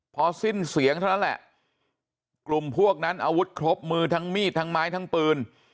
พอสิ้นเสียงเท่านั้นแหละกลุ่มพวกนั้นอาวุธครบมือทั้งมีดทั้งไม้ทั้งปืน